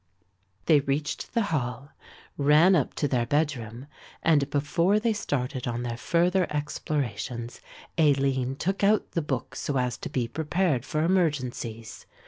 They reached the Hall, ran up to their bedroom and before they started on their further explorations Aline took out the book so as to be prepared for emergencies.